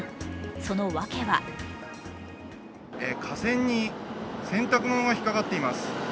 その訳は架線に洗濯物が引っかかっています。